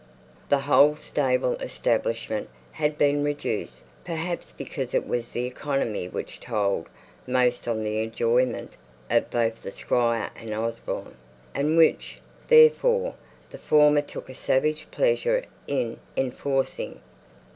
The whole stable establishment had been reduced; perhaps because it was the economy which told most on the enjoyment of both the Squire and Osborne, and which, therefore, the former took a savage pleasure in enforcing.